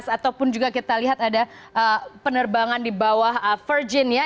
ataupun juga kita lihat ada penerbangan di bawah virgin ya